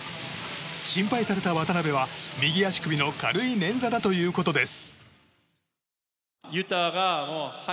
心配された渡邊は、右足首の軽い捻挫だということです。